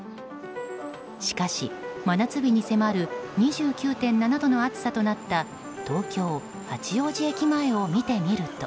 しかし、真夏日に迫る２９．７度の暑さとなった東京・八王子駅前を見てみると。